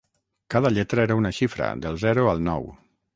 Cada lletra era una xifra, del zero al nou.